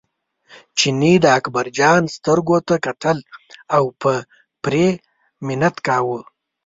چیني د اکبرجان سترګو ته کتل او په پرې منت کاوه.